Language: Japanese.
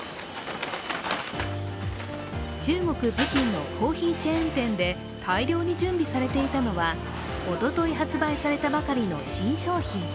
中国・北京のコーヒーチェーン店で大量に準備されていたのはおととい発売されたばかりの新商品。